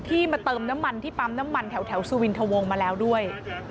มาเติมน้ำมันที่ปั๊มน้ำมันแถวสุวินทะวงมาแล้วด้วย